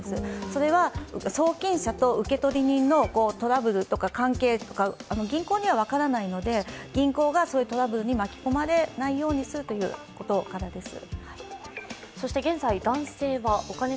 それは送金者と受取人のトラブルとか関係は銀行には分からないので、銀行がそういうトラブルに巻き込まれないようにするということからです。